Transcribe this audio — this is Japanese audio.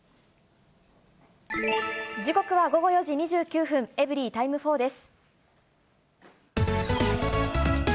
時刻は午後４時２９分、エブリィタイム４です。